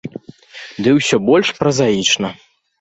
Ды ўсё больш празаічна.